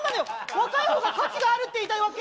若いほうが価値があるって言いたいわけ？